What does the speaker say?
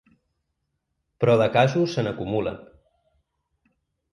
Però de casos se n’acumulen.